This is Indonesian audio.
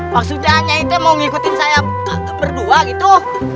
maksudnya nyai teh mau ngikutin saya berdua gitu